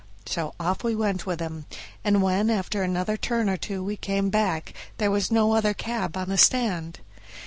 so off we went with him, and when after another turn or two we came back, there was no other cab on the stand.